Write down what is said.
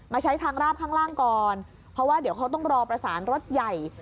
ใช้ทางราบข้างล่างก่อนเพราะว่าเดี๋ยวเขาต้องรอประสานรถใหญ่